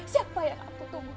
siapa yang aku tunggu